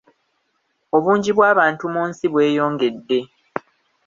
Obungi bw'abantu mu nsi bweyongedde.